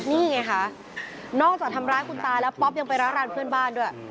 นี่ไงคะนอกจากทำร้ายคุณตาแล้วป๊อปยังไปร้านเพื่อนบ้านด้วย